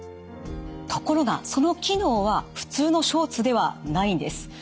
ところがその機能は普通のショーツではないんです。